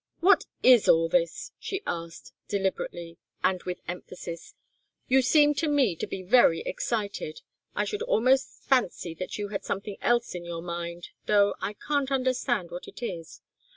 "What is all this?" she asked, deliberately and with emphasis. "You seem to me to be very excited. I should almost fancy that you had something else in your mind, though I can't understand what it is."